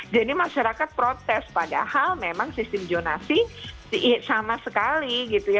jadi masyarakat protes padahal memang sistem jonasi sama sekali gitu ya